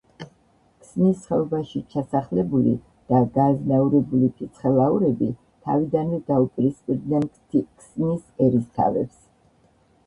ქსნის ხეობაში ჩასახლებული და გააზნაურებული ფიცხელაურები თავიდანვე დაუპირისპირდნენ ქსნის ერისთავებს.